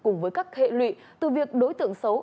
cùng với các hệ lụy từ việc đối tượng xấu